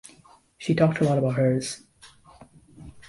She talked a lot about hers.